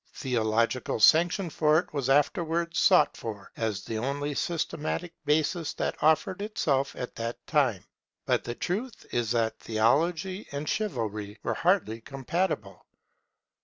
Theological sanction for it was afterwards sought for, as the only systematic basis that offered itself at that time. But the truth is that Theology and Chivalry were hardly compatible.